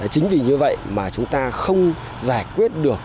chính vì như vậy mà chúng ta không giải quyết được